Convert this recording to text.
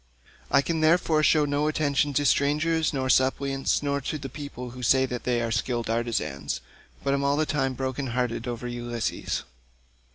I can therefore show no attention to strangers, nor suppliants, nor to people who say that they are skilled artisans, but am all the time broken hearted about Ulysses.